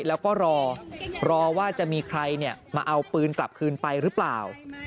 แล้วก็รอรอว่าจะมีใครมาเอาปืนกลับคืนไปหรือเปล่า